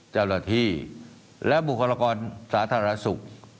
เจ้าหน้าที่และบุคลากรสาธารณสุข